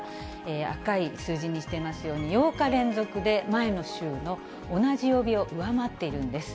赤い数字にしていますように、８日連続で前の週の同じ曜日を上回っているんです。